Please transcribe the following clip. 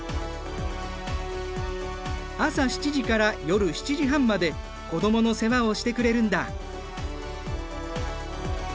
朝７時から夜７時半まで子どもの世話をしてくれるんだ。